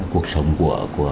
cuộc sống của